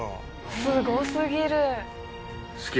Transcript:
すごすぎる。